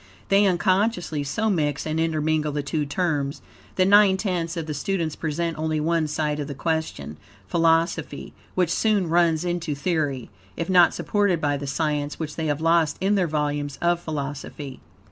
They, unconsciously, so mix and intermingle the two terms, that nine tenths of the students present only one side of the question philosophy, which soon runs into theory, if not supported by the science, which they have lost in their volumes of philosophy.